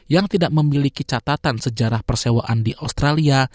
yang tidak memiliki catatan sejarah persewaan di australia